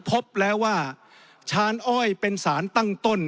พบแล้วว่าชานอ้อยเป็นสารตั้งต้น